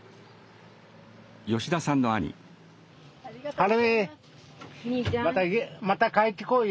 春美また帰ってこいよ。